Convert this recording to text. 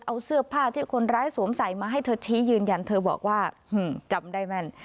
เอาเสื้อผ้าที่คนร้ายสวมใส่มาให้เธอชี้ยืนยันเธอบอกว่าจำได้แม่น